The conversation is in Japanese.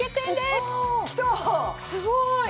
すごーい！